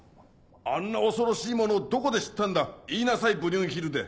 あんな恐ろしいものをどこで知ったんだ言いなさいブリュンヒルデ。